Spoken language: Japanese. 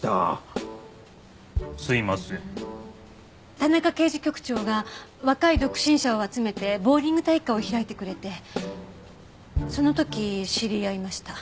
田中刑事局長が若い独身者を集めてボウリング大会を開いてくれてその時知り合いました。